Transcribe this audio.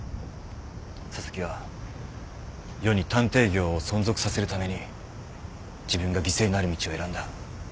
紗崎は世に探偵業を存続させるために自分が犠牲になる道を選んだ。